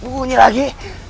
eh tak bunyi lagi